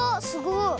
すごい。